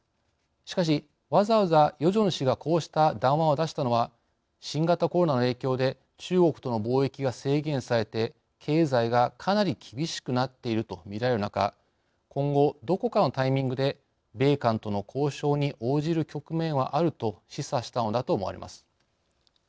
しかしわざわざヨジョン氏がこうした談話を出したのは新型コロナの影響で中国との貿易が制限されて経済がかなり厳しくなっているとみられる中今後どこかのタイミングで米韓との交渉に応じる局面はあると示唆したのだと思われます。